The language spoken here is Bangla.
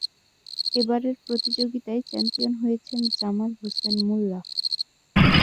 এবারের প্রতিযোগিতায় চ্যাম্পিয়ন হয়েছেন জামাল হোসেন মোল্লা।